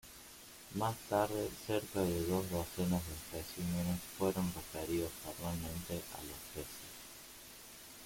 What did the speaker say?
Más tarde, cerca de dos docenas de especímenes fueron referidos formalmente a la especie.